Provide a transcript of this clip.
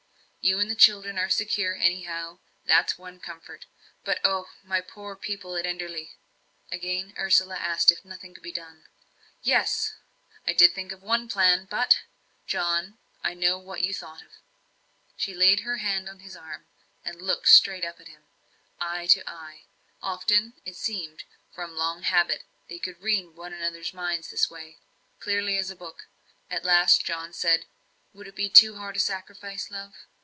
You and the children are secure anyhow, that's one comfort. But oh, my poor people at Enderley!" Again Ursula asked if nothing could be done. "Yes I did think of one plan but " "John, I know what you thought of." She laid her hand on his arm, and looked straight up at him eye to eye. Often, it seemed that from long habit they could read one another's minds in this way, clearly as a book. At last John said: "Would it be too hard a sacrifice, love?"